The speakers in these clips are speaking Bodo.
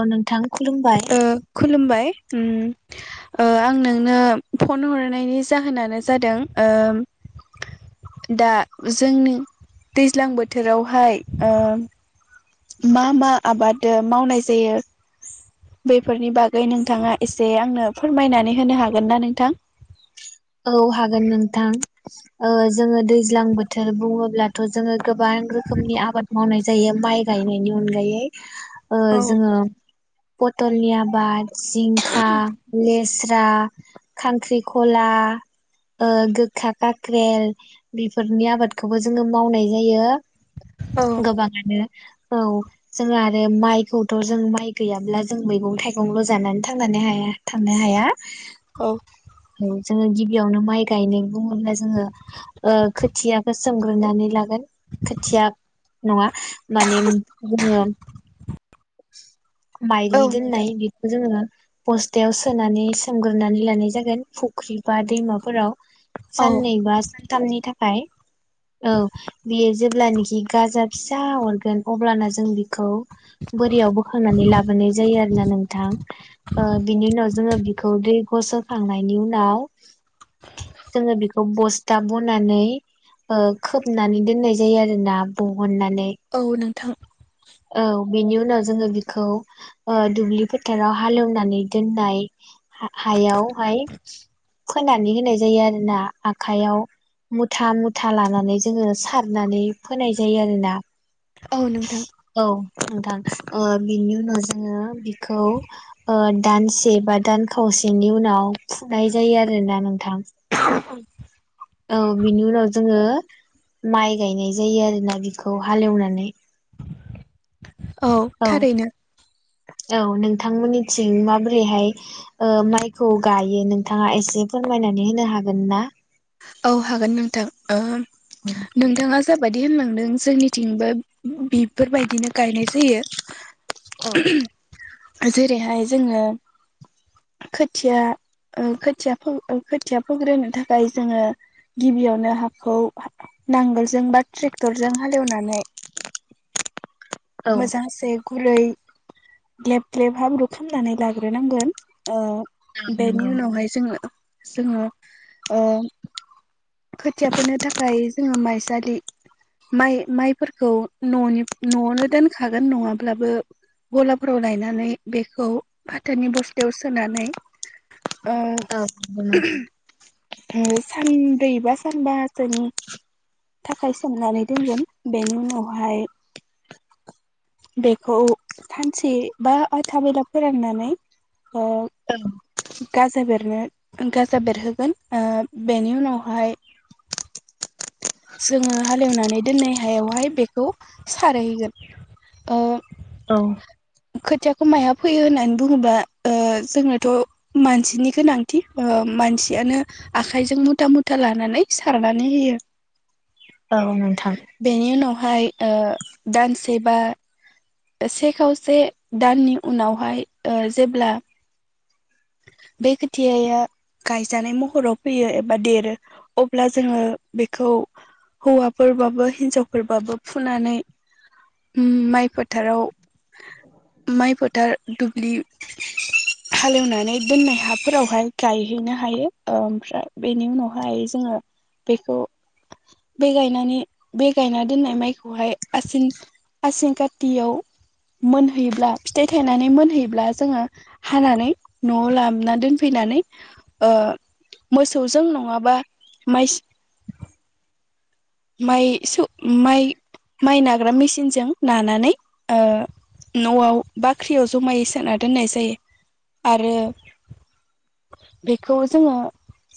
औ नोंथां। खुलुमबाय ओ खुलुमबाय उम ओ आं नोंनो फन हरनायनि जाहोनानो जादों ओ दा जोंनि दैज्लां बोथोरावहाय ओ मा मा आबाद मावनाय जायो बैफोरनि बागै नोंथाङा एसे आंनो फोरमायनानै होनो हागोन ना नोंथां? औ हागोन नोंथां ओ जोङो दैज्लां बोथोर बुङोब्लाथ' जोङो गोबां रोखोमनि आबाद मावनाय जायो माइ गायनायनि अनगायै ओ औ जोङो पथलनि आबाद जिंखा लेस रां खांख्रिखला ओ गोखा काख्रेल बेफोरनि आबादखौबो जोङो मावनाय जायो औ । गोबां आनो औ जों आरो माइखौथ' जों माइ गैयाब्ला जों मैगं थाइगंल' जानानै थांनानै हाया थांनो हाया । औ । जोङो गिब यावनो माइ गायनाय बुङोब्ला जोङो ओ खोथियाखो सोमग्रोनानै लागोन। खोथिया नङा माने जोङो [inaudible] औ माइलि नोंथां दोननाय बिखौ जोङो बस्थायाव सोनानै सोमग्रोनानै लानाय जागोन फुख्रि बा दैमाफोराव औ साननैबा सानथामनि था खाय । औ बियो जेब्लानोखि गाजा फिसा हरगोन अब्लाना जों बिखौ बोरियाव बोखांनानै लाबोनाय जायो आरो ना नोंथां ओ बिनि उनाव जोङो बिखौ दै फस'खांनायनि उनाव जोङो बिखौ बस्था बनानै ओ खोबनानै दोननाय जायो आरोना ब हननानै औ नोंथां औ । बेनि उनाव जोङो बिखौ ओ दुब्लि फोथाराव हालेवनानै दोननाय हा-हायावहाय फोनानै होनाय जायो आरोना आखाइयाव मुथा मुथा लानानै जोङो सारनानै फोनाय जायो आरोना। औ नोंथां । औ नोंथां ओ बिनि उनाव जोङो बिखौ ओ दानसे बा दान खावसेनि उनाव फुनाय जायो आरोना नोंथां। [inaudible] औ बिनि उनाव जोङो माइ गायनाय जायो आरो ना बिखौ हालेवनानै। औ थारैनो । औ नोंथांमोननिथिं माबोरैहाय ओ माइखौ गायो नोंथाङा एसे फोरमायनानै होनो हागोन ना? औ हागोन नोंथां ओ नोंथाङा [unintelligible] होनलांदों जोंनिथिंबो बिफोरबाय दिनो गायनाय औ जायो [inaudible] जेरैहाय जोङो खोथिया ओ खोथिया फो ओ खोथिया फोग्रोनो थाखाय जोङो गिबियावनो हाखौ नांगोल जों बा ट्रेक्टर जों हालेवनानै मोजांसे गुरै ग्लेब ग्लेब हाब्रु खामनानै लाग्रोनांगोन। ओ नंगौ बेनि उनावहाय जोङो जोङो ओ खोथिया फोनो थाखाय जोङो माइ जालि माइ-माइफोरखौ ननि न'आवनो दोनखागोन नङाब्लाबो गलाफोराव लायनानै बेखौ फाथोनि बसथायाव सोनानै। [unintelligible] ओ सानब्रैबा सानबासोनि थाखायस सोमनानै दोनगोन बेनि उनाव हाय बेखौ सानसे बा [unintelligible] फोराननानै। [unintelligible] नो गाजा बेरहोगोन ओ बेनि उनावहाय। जोङो हालेवनानै दोननाय हायावहाय बेखौ सारहैगोन ओ औ। खोथियाखौ माहा फैयो होननानै बुङोबा ओ जोंनोथ' मानसिनि गोनांथि ओ मानसियानो आखाइजों मुथा मुथा लानानै सारनानै होयो। औ नोंथां। हाय ओ दानसे बा से खावसे दाननि उनावहाय ओ जेब्ला बे खोथियाया गायजानाय महराव फैयो एबा देरो अब्ला जोङो बेखौ हौवाफोरबाबो हिनजावफोरबाबो फुनानै उम माइ फोथाराव माइ फोथार दुब्लि हालेवनानै दोननाय हाफोरावहाय गायहैनो हायो ओमफ्राय बेनि उनावहाय जोङो बेखौ बै गायनानै बे गायना दोननाय माइखौहाय आसिन आसिन कातियाव मोनहैयोब्ला फिथाइ थायनानै मोनहैयोब्ला जोङो हानानै न'आव लाबोना दोनफैनानै ओ मोसौजों नङाबा माइ माइ सौ माइ माइ नाग्रा मेसिनजों नानानै ओ न'आव बाख्रियाव जमायै सोना दोननाय जायो। आरो बेखौ जोङो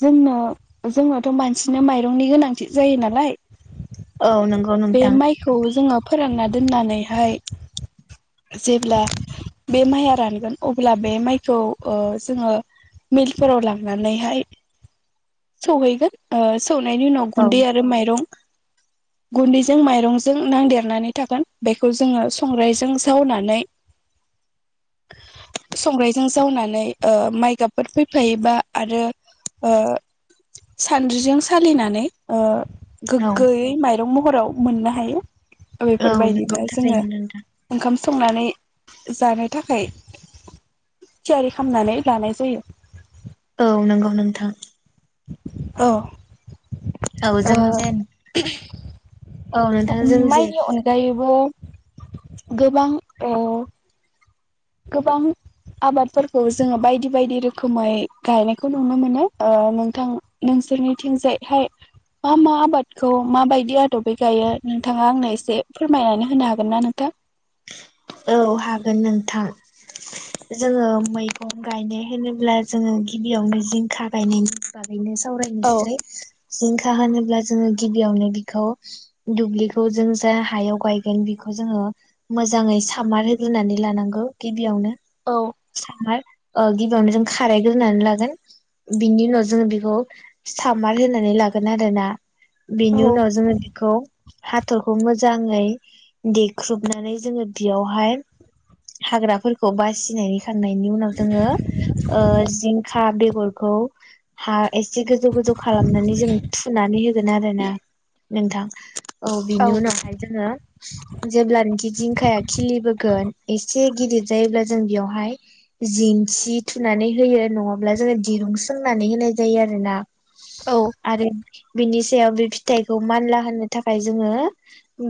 जोंनो जोंनोथ' मानसिनो माइरंनि गोनांथि जायो नालाय। औ नंगौ बे नोंथां माइखौ जोङो। फोरानना दोननानैहाय जेब्ला बे माइया रानगोन अब्ला बे माइ। खौ ओ जोङो मिलफोराव लांनानैहाय सहैगोन ओ सौनायनि उनाव औ गुन्दै आरो माइरं। गुन्दैजों माइरंजों नांदेरनानै थागोन बेखौ जोङो संग्रायजों जावनानै संग्राय जों जावनानै ओ माइगाबफोर फैफायोबा आरो ओ सानद्रिजों सालिनानै ओ औ गोगोयै माइ दुं महराव मोननो हायो। औ नंगौ बेफोरबायदिनो जोङो थारैनो नोंथां ओंखाम संनानै जानो थाखाय थियारि खालामनानै लानाय जायो। औ नंगौ नोंथां। औ। औ जों जेन औ नोंथां ओ जों जे माइनि अनगायैबो गोबां ओ गोबां आबादफोरखौ जोङो बायदि बायदि रोखोमै गायनायखौ नुनो मोनो ओ नोंथां नोंसोरनिथिंजायहाय मा मा आबादखौ माबायदि आदबै गायो नोंथाङा आंनो एसे फोरमायनानै होनो हागोन ना नोंथां? औ हागोन नोंथां। जोङो मैगं गायनाय होनोब्ला जोङो गिबियावनो जिंखा गायनायनि बागैनो एसे औ सावरायनिसै जिंखा होनोब्ला जोङो गिबियावनो बिखौ दुब्लिखौ जों जा हायाव गायगोन बिखौ जोङो मोजाङै सा मार होग्रानै लानांगौ गिबियावनो। औ सामार ओ गि बियावनो जों खारायग्रोनानै लागोन बिनि उनाव जों बेखौ सामार होनानै लागोन आरोना। बेनि औ उनाव जोङो बिखौ हाथरखौ मोजाङै देख्रुबनानै जोङो बियावहाय हाग्राफोरखौ बासिनानै खांनायनि उनाव जोङो ओ जिंखा बे गरखौ हा एसे गोजौ गोजौ खालामनानै जों थुनानै होगोन आरो ना नोंथां। औ बिनि औ उनावहाय जोङो जेब्लानोखि जिंखाया खिलिबोगोन एसे गिदिर जायोब्ला जों बेवहाय जिंसि थुनानै होयो नङाब्ला जोङो दिरुं सोंनानै होनाय जायो आरो ना। आरो बिनिस जेआव बे फिथाइखौ मानला होनो थाखाय जोङो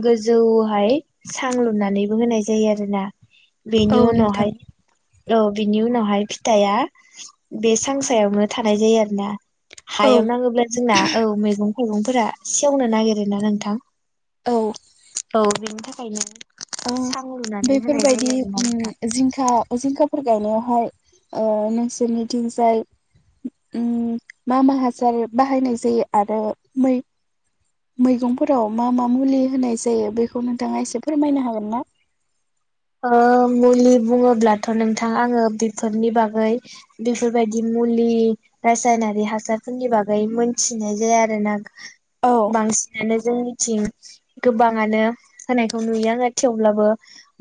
गोजौहाय सां लुनानैबो होनाय जायो आरो ना। औ बेनि नोंथां उनावहाय औ बिनि उनावहाय फिथाइआ बे सांसायावनो थानाय जायो आरो ना। औ हायाव नाङोब्ला जोंना औ मैगं मैगंफोरा सेवनो नागिरोना नोंथां? औ औ बे बेनिखायनो ओ बेफोरबायदि आरोना नोंथां उम जिंखा उ जिंखा फोर गायनायावहाय ओ नोंसोरनिथिंजाय मा मा हासार बाहायनाय जायो आरो मै मैगंफोराव मा मा मुलि होनाय जायो बेखौ नोंथाङा एसे फोरमायनो हागोन ना? ओ मुलि बुङोब्लाथ' नोंथां आङो बेफोरनि बागै बेफोरबायदि मुलि रासायनारि हासारफोरनि बागै मोनथिनाय जाया आरो ना। औ बांसिनानो जोंनि थिं गोबाङानो होनानायखौ नुयो आरो थेवब्लाबो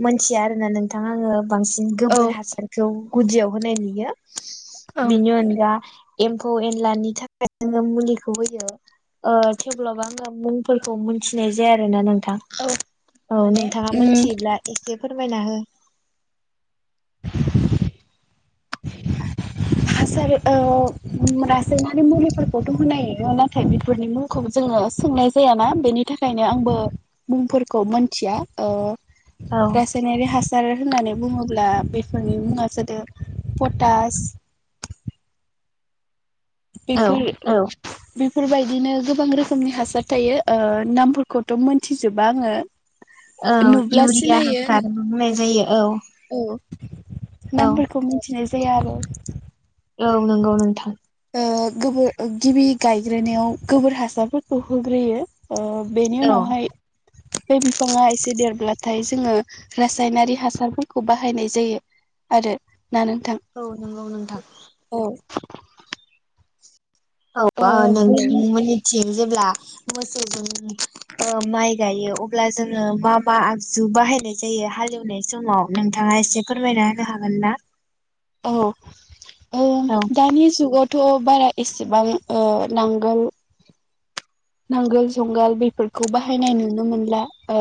मोनथिया आरोना नोंथां आङो बांसिन गोबोर औ हासारखौ गुदियाव होनाय नुयो ओं बिनि अनगा एम फौ एनलानि थाखाय जोङो मुलिखौ होयो ओ थेबोलावबा आङो मुंफोरखौ मोनथिनाय जाया आरोना नों थां औ औ माने नोंथाङा उम मोनथियोब्ला फोरमायना हो हासार ओ रासायनारि मुलिफोरखौथ' होनाय नुयो नाथाय बेफोरनि मुंखौ जोङो सोंनाय जायाना बेनि थाखायनो आंबो मुंफोरखौ मोनथिया ओ औ रासायनारि हास सार होननानै बुङोब्ला बेफोरनि मुङा जादो पटास औ बेफोर औ बेफोरबायदिनो गोबां रोखोमनि हासार थायो ओ नामफोरखौथ' मोनथिजोबा आङो। औ नुब्ला इउरिया सिनायो हासार होननानै बुंनाय जायो औ। औ औ नामफोरखौ मोनथिनाय जाया आरो। औ नंगौ नोंथां। ओ गोबोर गिबि गायग्रोनायाव गोबोर हासारफोरखौ होग्रोयो। ओ बेनि औ उनावहाय बे बिफाङा एसे देरब्ला थाय जोङो रासायनारि हासारफोरखौ बाहायनाय जायो आरो। ना नोंथां औ नोंगौ नोंथां। औ। ओ औ बेनि नोंथांमोननि थिं जेब्ला मोसौजों ओ माइ गायो अब्ला जोङो मा मा आगजु बाहायनाय जायो हालौनाय समाव नोंथाङा एसे फोरमायना होनो हागोन ना? औ। ओ औ दानि जुगाव थ' बारा एसेबां ओ नांगोल नांगोल जुंगाल बेफोरखौ बाहायनाय नुनो मोनला ओ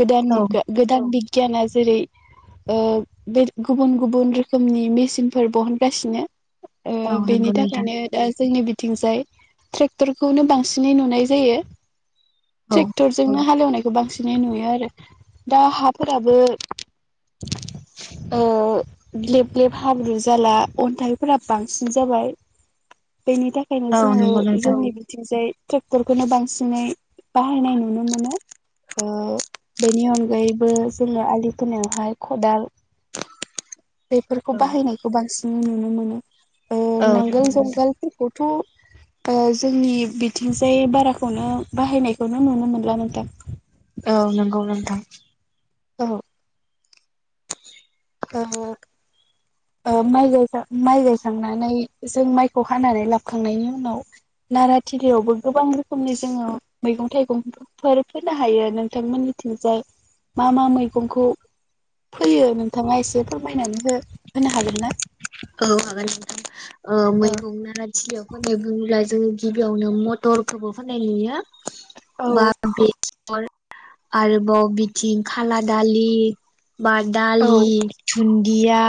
गोदान औ गोदान दि बिगियाना जेरै ओ गुबुन गुबुन रोखोमनि मेचिनफोर बरनगासिनो। ओ औ बेनि नंगौ नोंथां थाखायनो दा जोंनि बि थिंजाय ट्रेक्टरखौनो बांसिनै नुनो नाय जायो। औ ट्रेक्टरजों नो हालौनाय खौ बांसिनै नुयो आरो दा हाफोराबो ओ ग्लेब ग्लेब हाब्रु जाला अन्थाइफोरा बांसिन जाबाय। बेनि थाखायनो औ जोङो नंगौ नोंथां जोंनि बिथिंजाय फोरखौनो बांसिनै बाहायनाय नुनो मोनो ओ बेनि अनगायैबो जोङो आलि खोनायावहाय खदाल बेफोरखौ औ बाहायनायखौ बांसिन जों नुनो मोनो औ । नंगौ नांगोल नोंथां जुंगालफोरखौथ जोंनि बिथिं जाय बाराखौनो बाहायनायखौनो नुनो मोनला नोंथां औ नंगौ नोंथां औ । [unintelligible] माइाय माइ गायखांनानै जों माइखौ हानानै लाबोखांनायनि उनाव नाराथिलियावबो गोबां रोखोमनि जोङो मैगं थाइगंफोर फोनो हायो नोंथांमोननिथिंजाय मा मा मैगंखौ फैयो नोंथाङा एसे फोरमायनानै हो । होनो हागोन ना? औ हागोन नोंथां । औ मैगं नाराथिलियाव फोनो बुंयोब्लाव जों गिबियावनो मटरफोरबो फोनाय नुयो बा औ बेसर आरोबाव बिथिं खाला दालि । बा दालि दुन्दिया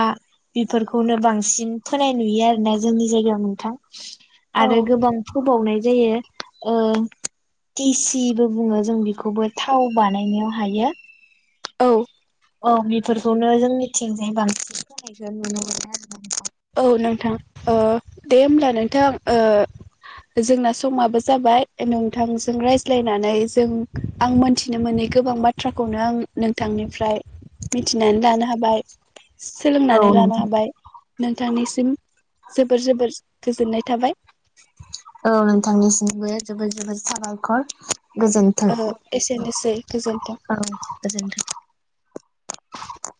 बेफोरखौनो बांसि सिन फोनाय नुयो आरोना जोंनि जायगायाव नोंथां । आरो औ गोबां फोबावनाय जायो । ओ टिसिबो बुङो जों बेखौबो थाव बानायनायाव हायो । औ । औ बेफोरखौनो जोंथिंजाय बांसिन फोनायखौ नुनो मोनो आरो । औ नोंथां ओ दे होमब्ला नोंथां ओ जोंना समाबो जाबाय नोंथांजों रायज्लायनानै जों आं मोनथिनो मोनै गोबां बाथ्राखौनो आं नोंथांनिफ्राय मिथिनानै लानो हाबाय । सोलोंनानै औ लानो नोंथां हाबाय । नोंथांनिसिम जोबोर जोबोर गोजोननाय थाबाय । औ नोंथांनिसिमबो जोबोद जोबोद साबायखर । गोजोनथों ओ एसेनोसै गोजोन्थों। औ गोजोनथों ।